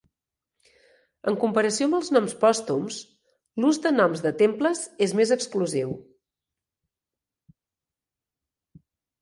En comparació amb els noms pòstums, l'ús de noms de temples és més exclusiu.